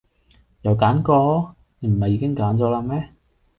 又揀過？你唔係已經揀咗啦咩